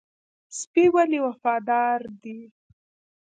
سپی ولې وفادار دی؟